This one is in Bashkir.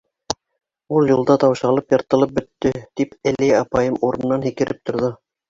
Ул юлда таушалып, йыртылып бөттө. — тип Әлиә апайым урынынан һикереп торҙо.